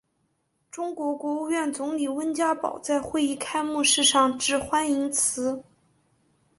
中国国务院总理温家宝在会议开幕式上致欢迎辞。